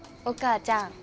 お母ちゃん。